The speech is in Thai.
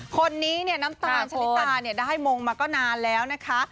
คนนี้เนี่ยน้ำตาลชะลิตาเนี่ยได้มงมาก็นานแล้วนะคะ